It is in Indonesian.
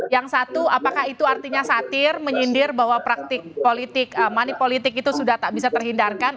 yang satu apakah itu artinya satir menyindir bahwa praktik politik money politik itu sudah tak bisa terhindarkan